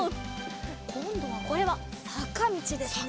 こんどはこれはさかみちですね。